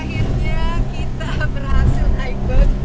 akhirnya kita berhasil naik bus